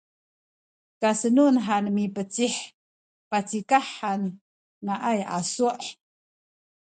kasenun hantu mipecih pacikah han ngaay asu’